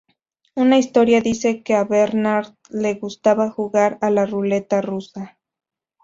Una historia dice que a Bernard le gustaba jugar a la Ruleta Rusa.